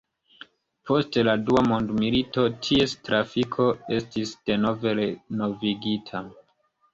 Post la dua mondmilito ties trafiko estis denove renovigita.